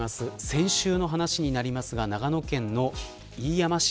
先週の話ですが、長野県の飯山市